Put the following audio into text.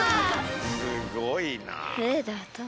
すごいな。